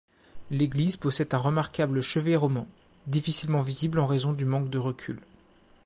L'église possède un remarquable chevet roman, difficilement visible en raison du manque de recul.